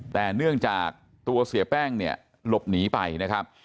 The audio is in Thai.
แต่เนื่องจากตัวเสียแป้งเนี่ยหลบหนีไปนะครับ